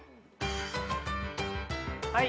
はい。